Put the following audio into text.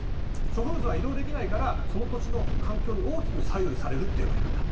植物は移動できないからその土地の環境に大きく左右されるっていうわけなんだ。